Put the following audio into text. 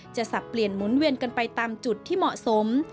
จะสับเปลี่ยนคลุ่มเหวี่ยนไปล่างจุดที่เหมือน